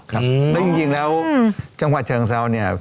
แล้วจริงแล้วจังหวัดเชิงเซาเนี่ย